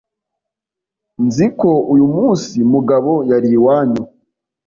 Nzi ko uyu munsi Mugabo yari iwanyu.